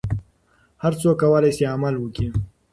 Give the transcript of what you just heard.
هر څوک کولای شي عمل وکړي.